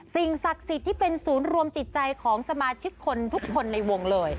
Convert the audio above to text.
สิ่งศักดิ์สิทธิ์ที่เป็นศูนย์รวมจิตใจของสมาชิกคนทุกคนในวงเลย